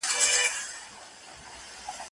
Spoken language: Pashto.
اخترونه به تیریږي یو په بل پسي به راسي